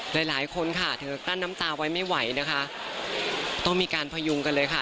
หลายคนค่ะเธอกลั้นน้ำตาไว้ไม่ไหวนะคะต้องมีการพยุงกันเลยค่ะ